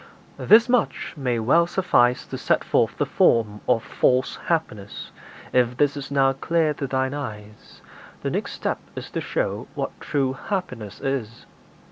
IX. 'This much may well suffice to set forth the form of false happiness; if this is now clear to thine eyes, the next step is to show what true happiness is.'